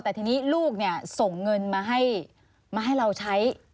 แต่ทีนี้ลูกส่งเงินมาให้เราใช้